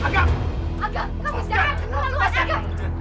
agam kamu jangan ke luar agam